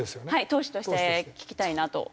投手として聞きたいなと。